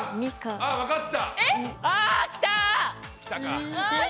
ああ分かった！